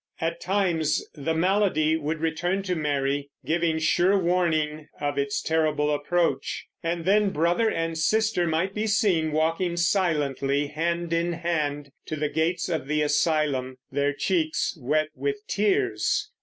At times the malady would return to Mary, giving sure warning of its terrible approach; and then brother and sister might be seen walking silently, hand in hand, to the gates of the asylum, their cheeks wet with tears.